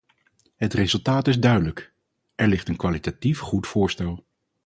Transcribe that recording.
Het resultaat is duidelijk: er ligt een kwalitatief goed voorstel.